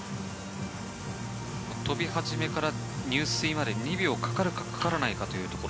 飛び始めから入水まで２秒かかかるかかからないかというところ。